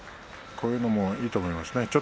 こういうのもいいと思いますね。